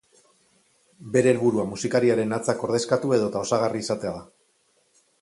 Bere helburua musikariaren hatzak ordezkatu edota osagarri izatea da.